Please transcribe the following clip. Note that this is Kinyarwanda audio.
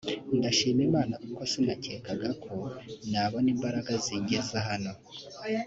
“Ndashimira Imana kuko sinakekaga ko nabona imbaraga zingeza hano